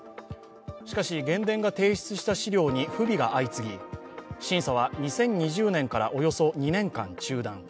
しかし、原電が提出した資料に不備が相次ぎ、審査は２０２０年からおよそ２年間中断。